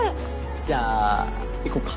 じゃあ行こっか。